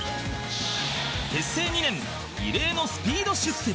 結成２年異例のスピード出世